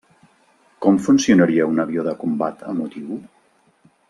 Com funcionaria un avió de combat emotiu?